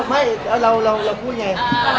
งี้คือเราพูดไง